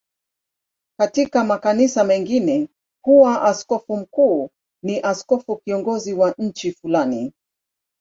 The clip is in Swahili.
Katika makanisa mengine huwa askofu mkuu ni askofu kiongozi wa nchi fulani.